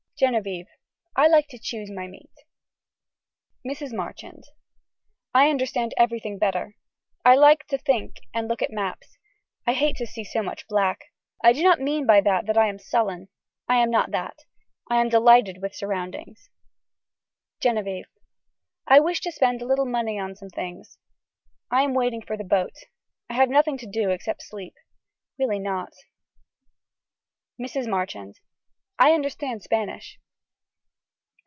(Genevieve.) I like to choose my meat. (Mrs. Marchand.) I understand everything better. I like to have to think and look at maps. I hate to see so much black. I do not mean by that that I am sullen. I am not that. I am delighted with surroundings. (Genevieve.) I wish to spend a little money on some things. I am waiting for the boat. I have nothing to do except sleep. Really not. (Mrs. Marchand.) I understand Spanish.